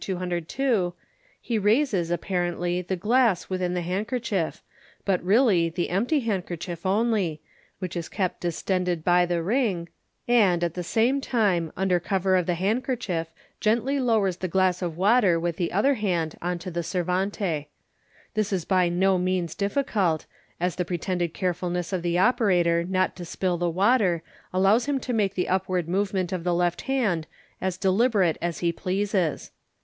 202, he raises, apparently, the glass within the handkerchief, but really the empty handkerchief only, which is kept distended by the ring, and, at the same time, under cover of the handkerchief, gently lowers the ghss of water with the other hand on to the servante. This is by no means difficult, as the pretended carefulness of the operator not to spill the water allows him to make the upward move ment of the left hand as deliberate as he pleases.